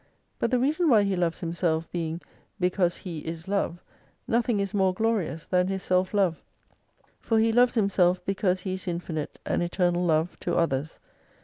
But the reason why He loves Himself being because He is Love, nothing is more glorious than His self love. For He loves Himself because He is infinite and eternal Love to others.